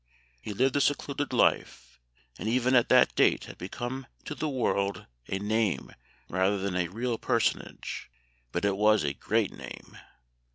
He lived a secluded life, and even at that date had become to the world a name rather than a real personage; but it was a great name.